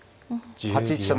８一飛車